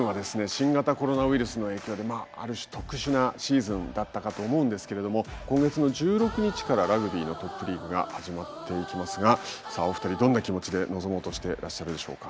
新型コロナウイルスの影響である種特殊なシーズンだったかと思うんですけれども今月の１６日からラグビーのトップリーグが始まっていきますがさあお二人どんな気持ちで臨もうとしてらっしゃるでしょうか。